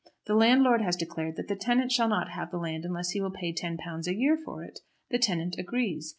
The landlord has declared that the tenant shall not have the land unless he will pay £10 a year for it. The tenant agrees.